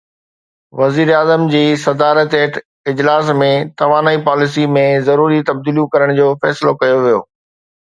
وزيراعظم جي صدارت هيٺ اجلاس ۾ توانائي پاليسي ۾ ضروري تبديليون ڪرڻ جو فيصلو ڪيو ويو